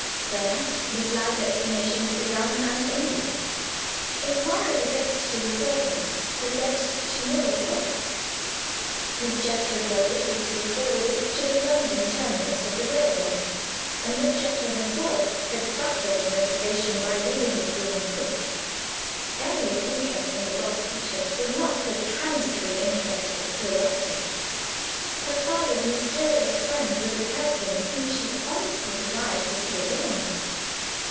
There, Miss Ladd's explanation had begun and ended. Inquiries addressed to the servants had led to no result. Miss Jethro's luggage was to be forwarded to the London terminus of the railway and Miss Jethro herself had baffled investigation by leaving the school on foot. Emily's interest in the lost teacher was not the transitory interest of curiosity; her father's mysterious friend was a person whom she honestly desired to see again.